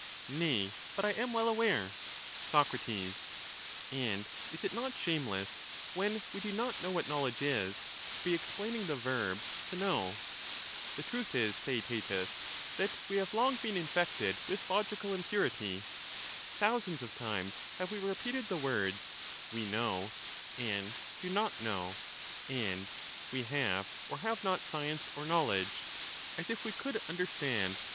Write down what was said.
Nay, but I am well aware. Sac. And is it not shameless when we do not know what But how knowledge is, to be explaining the verb 'to know'? The <=*"^® truth is, Theaetetus, that we have long been infected with question logical impurity. Thousands of times have we repeated the while we words 'we know,' and 'do not know,' and 'we have or have ignorant of not science or knowledge,' as if we could understand what ^^^^ V noyt